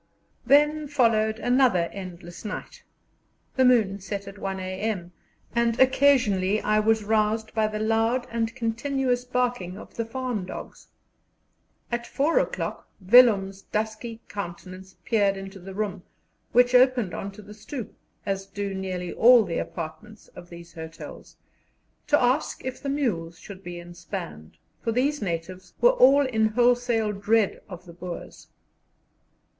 Then followed another endless night; the moon set at 1 a.m., and occasionally I was roused by the loud and continuous barking of the farm dogs. At four o'clock Vellum's dusky countenance peered into the room, which opened on to the stoep, as do nearly all the apartments of these hotels, to ask if the mules should be inspanned, for these natives were all in wholesale dread of the Boers.